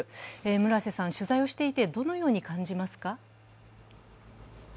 村瀬さん、取材をしていてどのように感じますか。